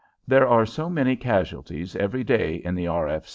There are so many casualties every day in the R.